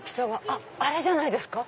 あっあれじゃないですか？